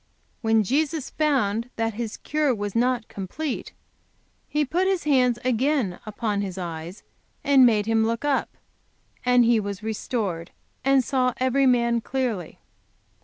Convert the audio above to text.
When Jesus found that his cure was not complete, He put His hands again upon his eyes, and made him look up; and he was restored, and saw every man clearly.